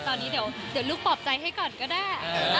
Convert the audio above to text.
ตอนนี้เดี๋ยวลูกปลอบใจให้ก่อนก็ได้